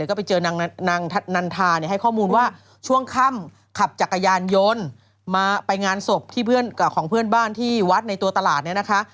แล้วก็ไปเจอนางนันทาให้ข้อมูลว่าช่วงค่ำขับจักรยานโยนไปงานสกของเพื่อนบ้านที่วัดตลาดเนี่ยนะคะ